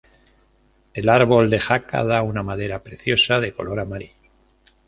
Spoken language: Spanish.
El árbol de jaca da una madera preciosa de color amarillo.